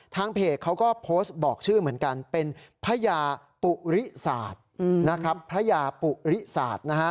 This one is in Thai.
ทางเพจเขาก็โพสต์บอกชื่อเหมือนกันเป็นพญาปุริศาสตร์